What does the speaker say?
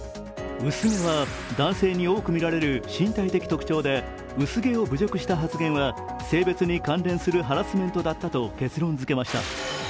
薄毛は男性に多くみられる身体的特徴で薄毛を侮辱した発言は性別に関連するハラスメントだったと結論づけました。